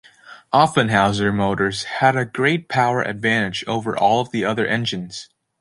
Offenhauser motors had a great power advantage over all of the other engines.